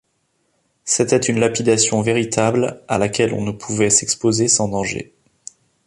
C’était une lapidation véritable, à laquelle on ne pouvait s’exposer sans danger.